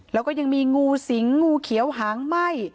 แล้วก็ยังมีงู้สิงงงู้เขียวหางม่าย